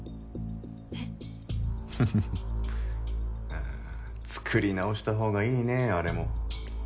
あぁ作り直したほうがいいねあれも。